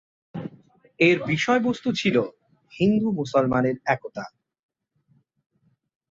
এর বিষয়বস্তু ছিল হিন্দু-মুসলমানের একতা।